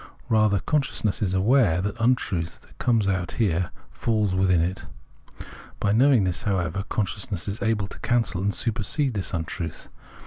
Rather consciousness is aware that the untruth, that comes out there, falls within it. By knowing this, however, consciousness is able to cancel and supersede this untruth.